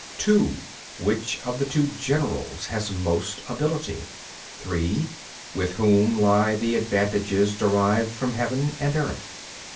(2) Which of the two generals has most ability? (3) With whom lie the advantages derived from Heaven and Earth?